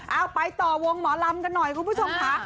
เอาไปต่อวงหมอลำกันหน่อยคุณผู้ชมค่ะ